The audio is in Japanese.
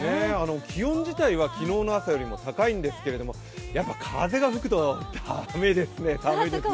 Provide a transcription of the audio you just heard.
気温自体は昨日の朝より高いんですけどやっぱ風が吹くと寒いですね。